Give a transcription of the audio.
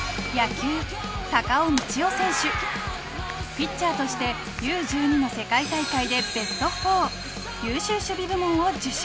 ピッチャーとしてＵ−１２の世界大会でベスト４優秀守備部門を受賞。